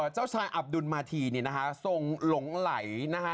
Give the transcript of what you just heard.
เจ้าชายอับดุลมาทีเนี่ยนะคะทรงหลงไหลนะคะ